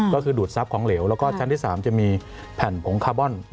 ก็คือดูดทรัพย์ของเหลวแล้วก็ชั้นที่๓จะมีแผ่นผงคาร์บอน